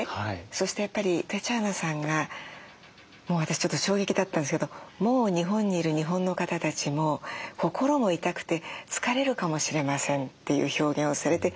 そしてやっぱりテチャーナさんがもう私ちょっと衝撃だったんですけど「もう日本にいる日本の方たちも心も痛くて疲れるかもしれません」という表現をされて。